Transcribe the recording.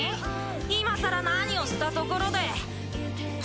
今更何をしたところで。